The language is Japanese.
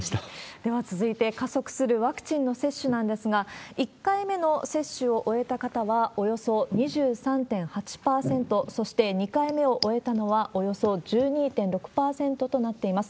では続いて、加速するワクチンの接種なんですが、１回目の接種を終えた方はおよそ２３．８％、そして２回目を終えたのはおよそ１２．６％となっています。